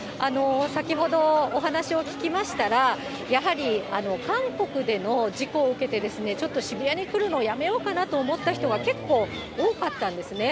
先ほどお話を聞きましたら、やはり韓国での事故を受けて、ちょっと渋谷に来るのをやめようかなと思った人は結構多かったんですね。